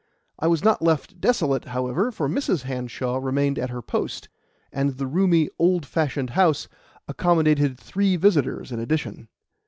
I was not left desolate, however, for Mrs. Hanshaw remained at her post, and the roomy, old fashioned house accommodated three visitors in addition.